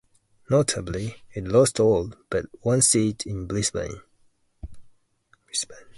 Notably, it lost all but one seat in Brisbane.